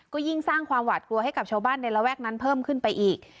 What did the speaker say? ก็ยิ่งสร้างความหวาดกลัวให้กับชาวบ้านในระแวกนั้นเพิ่มขึ้นไปอีก